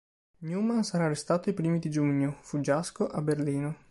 Newman sarà arrestato i primi di giugno, fuggiasco, a Berlino.